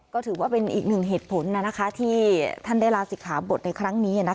ก็ถือว่าเป็นอีกหนึ่งเหตุผลที่ท่านได้ลาศิกขาบทในครั้งนี้